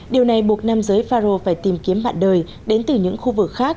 điều này buộc nam giới faroe phải tìm kiếm mạng đời đến từ những khu vực khác